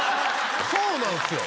そうなんですよ。